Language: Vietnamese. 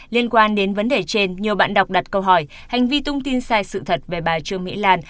liên quan đến vấn đề trên nhiều bạn đọc đặt câu hỏi hành vi tung tin sai sự thật về bà trương mỹ lan